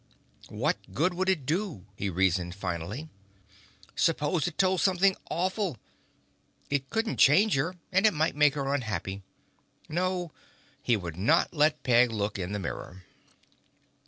What good would it do? he reasoned finally. Suppose it told something awful! It couldn't change her and it might make her unhappy. No, he would not let Peg look in the mirror.